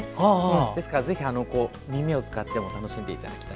ですから、ぜひ耳を使っても楽しんでいただきたい。